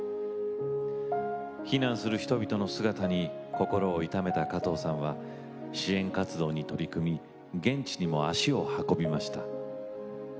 避難する人々の姿に心を痛めた加藤さんは支援活動に取り組み現地にも足を運びました。